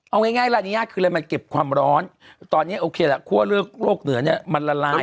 เอาง่ายราณิยาคือมันเก็บความร้อนตอนนี้โอเคละพวกเรื่องโรคเหนือนั้นมันละลาย